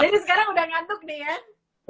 jadi sekarang udah ngantuk nih ya